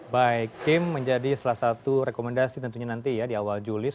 baik tim menjadi salah satu rekomendasi tentunya nanti ya di awal juli